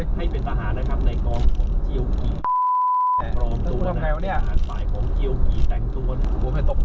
การแต่งประตูนแล้วก็พรอมตัว